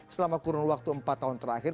selama kurun waktu empat tahun terakhir